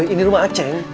doi ini rumah aceh